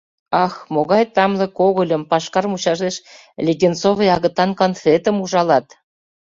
Ах, могай тамле когыльым, пашкар мучашеш леденцовый агытан конфетым ужалат!